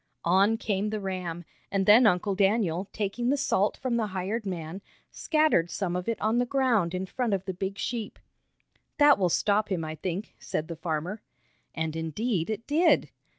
On came the ram, and then Uncle Daniel, taking the salt from the hired man, scattered some of it on the ground in front of the big sheep. "That will stop him, I think," said the farmer. And indeed it did.